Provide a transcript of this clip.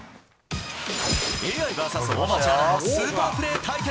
ＡＩｖｓ大町アナのスーパープレー対決。